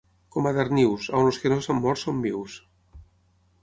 Com a Darnius, on els que no s'han mort són vius.